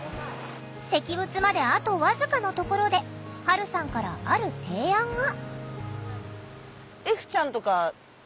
石仏まであと僅かのところではるさんからある提案が。